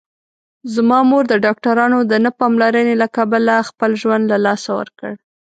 زما مور د ډاکټرانو د نه پاملرنې له کبله خپل ژوند له لاسه ورکړ